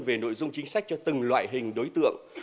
về nội dung chính sách cho từng loại hình đối tượng